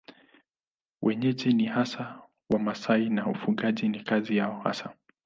Wenyeji ni hasa Wamasai na ufugaji ni kazi yao hasa.